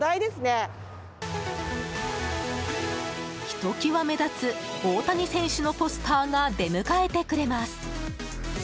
ひときわ目立つ大谷選手のポスターが出迎えてくれます。